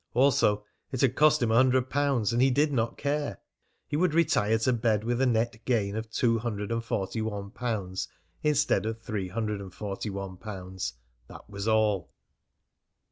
Also, it had cost him a hundred pounds, and he did not care; he would retire to bed with a net gain of two hundred and forty one pounds instead of three hundred and forty one pounds, that was all.